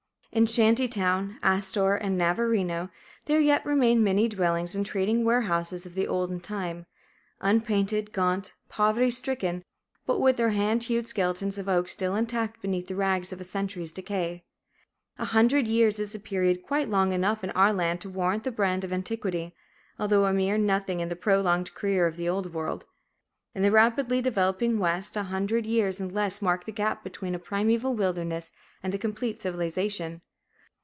In Shanty Town, Astor, and Navarino there yet remain many dwellings and trading warehouses of the olden time, unpainted, gaunt, poverty stricken, but with their hand hewed skeletons of oak still intact beneath the rags of a century's decay. A hundred years is a period quite long enough in our land to warrant the brand of antiquity, although a mere nothing in the prolonged career of the Old World. In the rapidly developing West, a hundred years and less mark the gap between a primeval wilderness and a complete civilization.